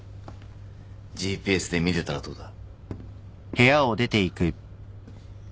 ＧＰＳで見てたらどうだ。